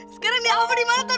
sekarang dia alva di mana tuan